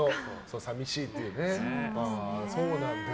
寂しいっていうね。